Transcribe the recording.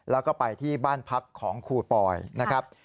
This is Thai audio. แล้วก็ไปที่บ้านพักของครูปอยนะครับ